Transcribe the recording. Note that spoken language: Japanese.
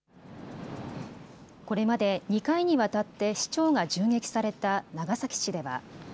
これまで２回にわたって市長が銃撃された長崎市では。